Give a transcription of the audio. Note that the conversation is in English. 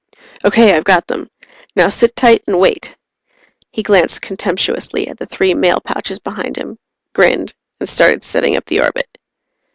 "Okay, I've got them. Now sit tight and wait." He glanced contemptuously at the three mail pouches behind him, grinned, and started setting up the orbit.